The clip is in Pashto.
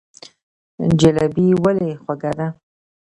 جلبي ولې خوږه ده؟